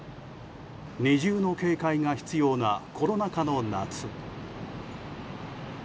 二重の警戒が必要なコロナ禍の夏。